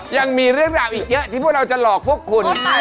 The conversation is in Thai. ยังมีเรื่องราวอีกเยอะที่พวกเราจะหลอกพวกคุณ